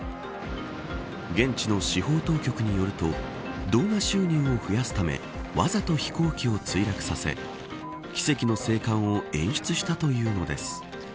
現地の司法当局によると動画収入を増やすためわざと飛行機を墜落させ奇跡の生還を演出したというのです。